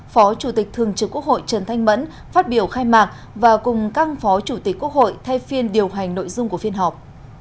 phó chủ tịch thường trực quốc hội trần thanh mẫn phát biểu khai mạc và cùng các phó chủ tịch quốc hội thay phiên điều hành nội dung của phiên họp